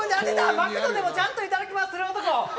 マクドでもちゃんといただきますする男。